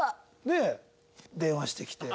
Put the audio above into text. で電話してきて。